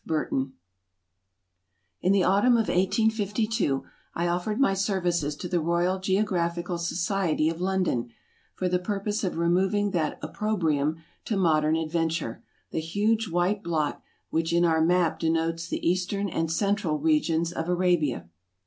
BURTON IN the autumn of 1852, I offered my services to the Royal Geographical Society of London, for the purpose of removing that opprobrium to modern adventure, the huge white blot which in our map denotes the eastern and cen tral regions of Arabia.